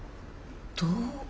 どう。